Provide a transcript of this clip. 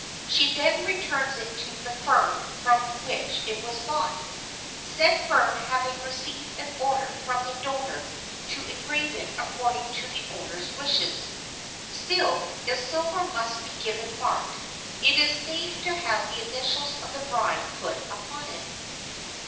She then returns it to the firm from which it was bought,—said firm having received an order from the donor to engrave it according to the owner's wishes. Still, if silver must be given marked, it is safe to have the initials of the bride put upon it.